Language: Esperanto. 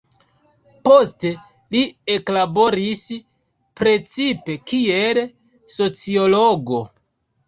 Poste li eklaboris, precipe kiel sociologo.